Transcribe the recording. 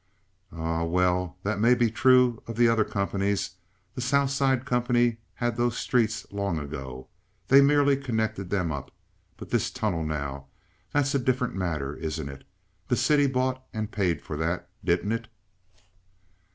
"Um—well, that may be true of the other companies. The South Side company had those streets long ago. They merely connected them up. But this tunnel, now—that's a different matter, isn't it? The city bought and paid for that, didn't it?"